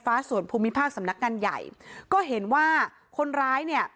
ส่วนภูมิภาคสำนักงานใหญ่ก็เห็นว่าคนร้ายเนี่ย